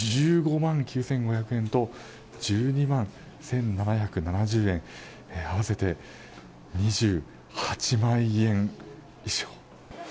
１５万９５００円と１２万１７７０円合わせて２８万円以上。